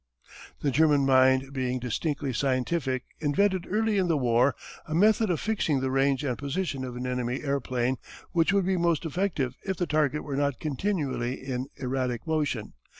The German mind being distinctly scientific invented early in the war a method of fixing the range and position of an enemy airplane which would be most effective if the target were not continually in erratic motion.